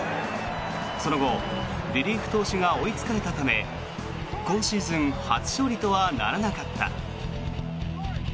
その後リリーフ投手が追いつかれたため今シーズン初勝利とはならなかった。